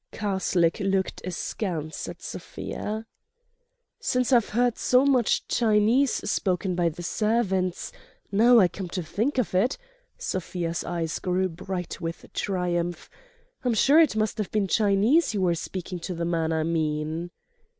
Karslake looked askance at Sofia. "Since I've heard so much Chinese spoken by the servants—now I come to think of it"—Sofia's eyes grew bright with triumph—"I'm sure it must have been Chinese you were speaking to the man I mean."